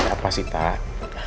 apa sih tak